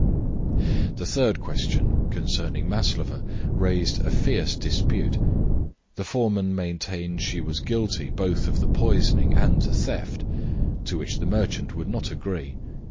The third question, concerning Maslova, raised a fierce dispute. The foreman maintained she was guilty both of the poisoning and the theft, to which the merchant would not agree.